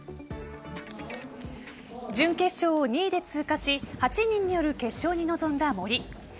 準決勝を２位で通過し８人による決勝に臨んだ森。